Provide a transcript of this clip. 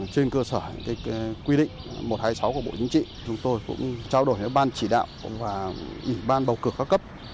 trên cơ sở quy định một trăm hai mươi sáu của bộ chính trị chúng tôi cũng trao đổi với ban chỉ đạo và ủy ban bầu cử cao cấp